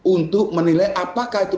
untuk menilai apakah itu